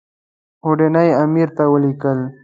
اوډني امیر ته ولیکل.